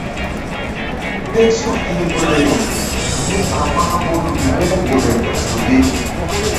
Tésuk hi̧ gunri míɓa mahful mbu̧h gunri ɓa suki.